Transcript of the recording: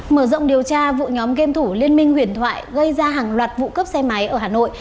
mở rộng điều tra vụ nhóm game thủ liên minh huyền thoại gây ra hàng loạt vụ cướp xe máy ở hà nội